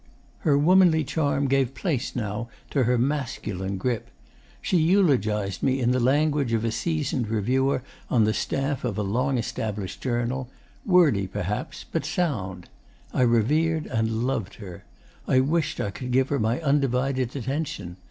'Her womanly charm gave place now to her masculine grip. She eulogised me in the language of a seasoned reviewer on the staff of a long established journal wordy perhaps, but sound. I revered and loved her. I wished I could give her my undivided attention.